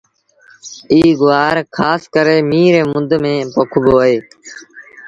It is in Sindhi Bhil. ايٚ گُوآر کآس ڪري ميݩهن ريٚ مند ميݩ پوکبو اهي۔